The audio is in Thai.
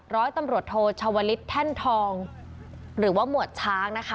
ร้อยตำรวจโทชาวลิศแท่นทองหรือว่าหมวดช้างนะคะ